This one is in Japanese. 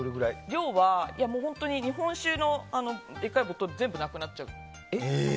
量は、日本酒のでかいボトル全部なくなっちゃう。